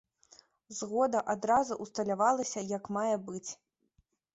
Згода адразу ўсталявалася як мае быць.